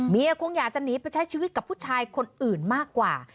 คงอยากจะหนีไปใช้ชีวิตกับผู้ชายคนอื่นมากกว่า